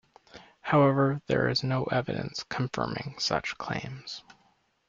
However, there is no evidence confirming such claims.